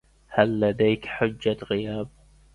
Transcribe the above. هل لديك حجة غياب ؟